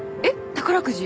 宝くじ？